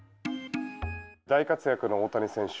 大活躍の大谷選手。